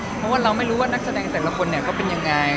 เพราะว่าเราไม่รู้ว่านักแสดงแต่ละคนเนี่ยเขาเป็นยังไง